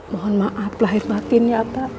mohon maaf lahir batin ya pak